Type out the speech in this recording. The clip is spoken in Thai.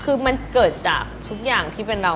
คือมันเกิดจากทุกอย่างที่เป็นเรา